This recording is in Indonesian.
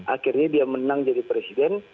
akhirnya dia menang jadi presiden